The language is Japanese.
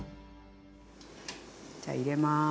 じゃ入れます。